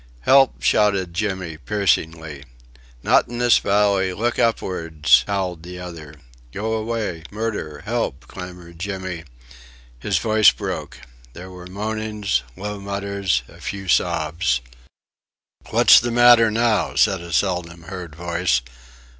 "Help!" shouted Jimmy, piercingly. "Not in this valley.... look upwards," howled the other. "Go away! Murder! Help!" clamoured Jimmy. His voice broke. There were moanings, low mutters, a few sobs. "What's the matter now?" said a seldom heard voice.